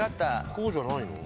こうじゃないの？